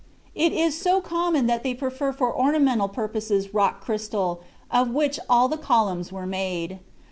It is so common that they prefer for ornamental purposes rock crystal, of which all the columns were made.